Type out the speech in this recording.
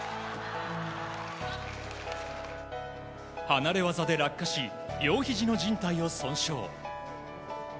離れ技で落下し両ひじのじん帯を損傷。